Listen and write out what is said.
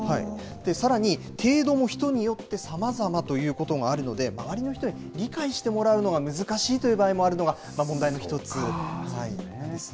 さらに、程度も人によってさまざまということがあるので、周りの人に理解してもらうのが難しいという場合もあるのが、問題の一つなんです。